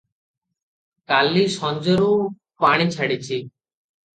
କାଲି ସଞ୍ଜରୁ ପାଣି ଛାଡ଼ିଛି ।